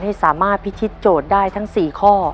ให้สามารถพิธีโจทย์ได้ทั้ง๔ข้อ